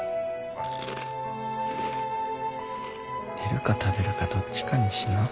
寝るか食べるかどっちかにしな。